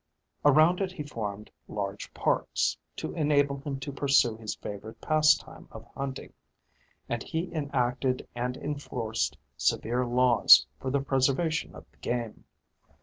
Around it he formed large parks, to enable him to pursue his favourite pastime of hunting; and he enacted and enforced severe laws for the preservation of the game.